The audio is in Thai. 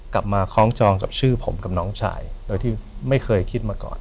คล้องจองกับชื่อผมกับน้องชายโดยที่ไม่เคยคิดมาก่อน